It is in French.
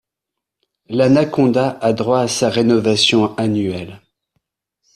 L'Anaconda a droit à sa rénovation annuelle.